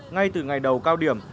ngay từ ngày đầu cao điểm